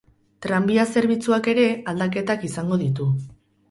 Tranbia zerbitzuak ere aldaketak izango ditu.